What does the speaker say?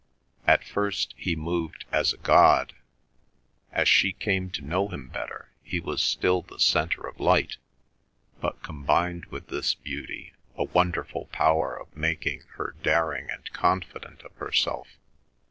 At first he moved as a god; as she came to know him better he was still the centre of light, but combined with this beauty a wonderful power of making her daring and confident of herself.